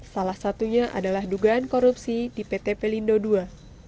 salah satunya adalah dugaan korupsi di pt pelindo ii